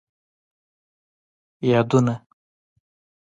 یادونه